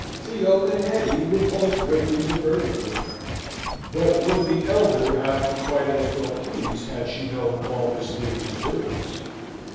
Theo and Hetty were both greatly diverted with her: but would the elder have been quite as well pleased had she known all Miss Lyddy's doings?